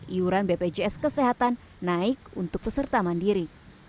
iuran bpjs kesehatan naik untuk peserta mandiri